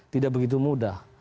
tidak begitu mudah